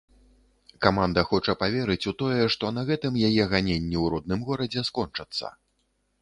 Каманда хоча паверыць у тое, што на гэтым яе ганенні ў родным горадзе скончацца.